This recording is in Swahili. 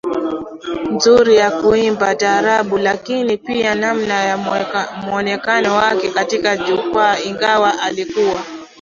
nzuri ya kuimba taarab lakini pia namna ya muonekano wake katika jukwaa Ingawa alikuwa